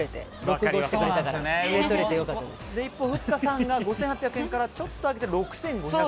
一方、ふっかさんが５８００円からちょっと上げて６５００円。